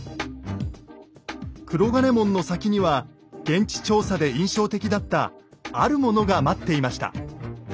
黒金門の先には現地調査で印象的だったあるものが待っていました。